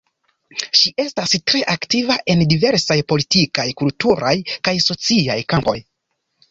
Ŝi estas tre aktiva en diversaj politikaj, kulturaj kaj sociaj kampoj.